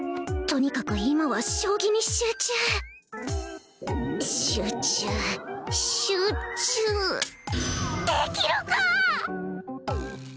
とにかく今は将棋に集中集中集中できるか！